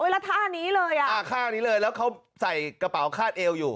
แล้วท่านี้เลยอ่ะท่านี้เลยแล้วเขาใส่กระเป๋าคาดเอวอยู่